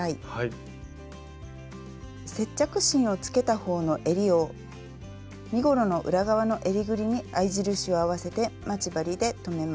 接着芯をつけたほうのえりを身ごろの裏側のえりぐりに合い印を合わせて待ち針で留めます。